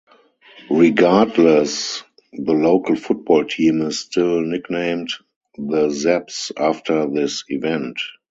Regardless, the local football team is still nicknamed 'The Zeps' after this event.